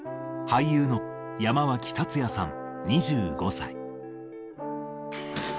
俳優の山脇辰哉さん２５歳。